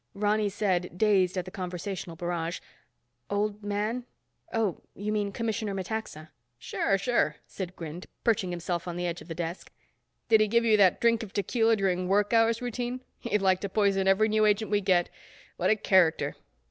Ronny said, dazed at the conversational barrage, "Old Man? Oh, you mean Commissioner Metaxa." "Sure, sure," Sid grinned, perching himself on the edge of the desk. "Did he give you that drink of tequila during working hours routine? He'd like to poison every new agent we get. What a character."